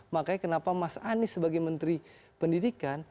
makanya kenapa mas anies sebagai menteri pendidikan